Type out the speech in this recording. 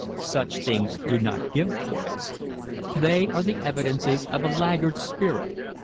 Such things do not give poise. They are the evidences of a laggard spirit.